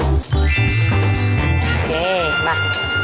โอเคมา